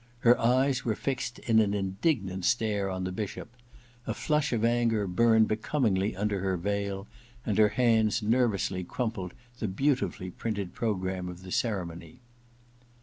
Her eyes were fixed in an indignant stare on the Bishop ; a flush of anger burned becomingly under her veil, and her hands nervously crumpled the beautifully printed programme of the ceremony.